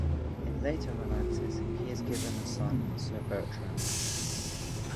In later romances he is given a son, Sir Bertram.